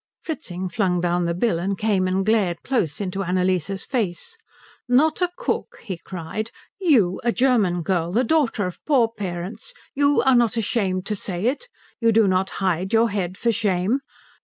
Fritzing flung down the bill and came and glared close into Annalise's face. "Not a cook?" he cried. "You, a German girl, the daughter of poor parents, you are not ashamed to say it? You do not hide your head for shame?